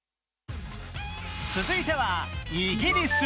続いてはイギリス。